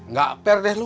nggak per deh lo